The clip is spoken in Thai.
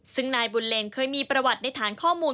ซึ่งนายบุญเล็งเคยมีประวัติในฐานข้อมูล